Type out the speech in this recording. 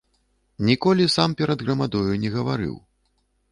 Ніколі сам перад грамадою не гаварыў.